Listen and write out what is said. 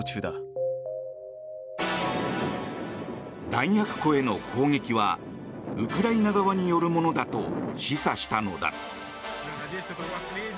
弾薬庫への攻撃はウクライナ側によるものだと示唆したのだ。